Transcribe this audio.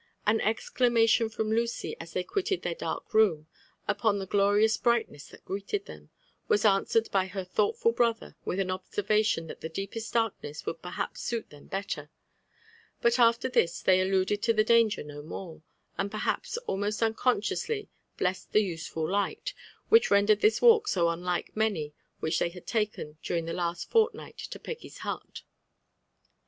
An exclamation from Lucy as they quitted their dark room, upon the glorious brightness that greeted them, was an swered by her thoughtful brother with an observation that the deepest darkness would perhaps suit them better ; but after this they alluded to the danger no more, and perhaps almost unconsciously ''blessed the useful light" which rendered this walk so Mnlike many which they had taken during the last fortnight to Peggy^ hut.